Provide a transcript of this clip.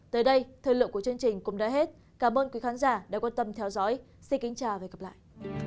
tới đây thời lượng của chương trình cũng đã hết cảm ơn quý khán giả đã quan tâm theo dõi xin kính chào và hẹn gặp lại